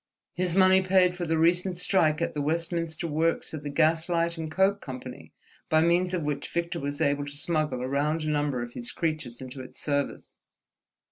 His money paid for the recent strike at the Westminster works of the Gas Light and Coke Company, by means of which Victor was able to smuggle a round number of his creatures into its service.